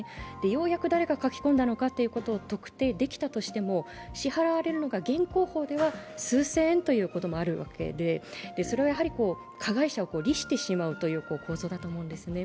ようやく誰か書き込んだのかということを特定できたとしても、支払われるのが現行法では数千円ということで、それは加害者を利してしまうという構造だと思うんですね。